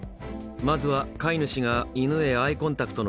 まずは飼い主が犬へのアイコンタクトのきっかけを作る。